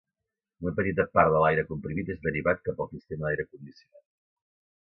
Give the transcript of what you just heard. Una petita part de l'aire comprimit és derivat cap al sistema d'aire condicionat.